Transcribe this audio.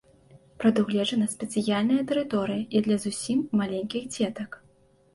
Прадугледжана спецыяльная тэрыторыя і для зусім маленькіх дзетак.